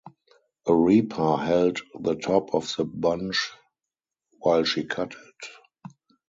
A reaper held the top of the bunch while she cut it.